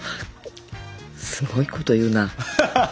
すごいこと言うな。